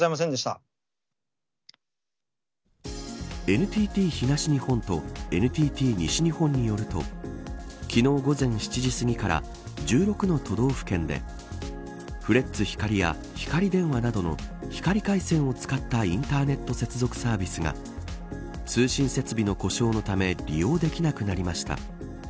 ＮＴＴ東日本とＮＴＴ西日本によると昨日午前７時すぎから１６の都道府県でフレッツ光やひかり電話などの光回線を使ったインターネット接続サービスが通信設備の故障のため利用できなくなりました。